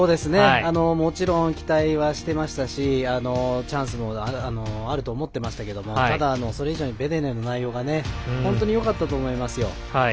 もちろん期待はしてましたしチャンスもあると思ってましたけどただ、それ以上にベデネの内容が本当によかったと思います。